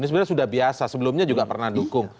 ini sebenarnya sudah biasa sebelumnya juga pernah dukung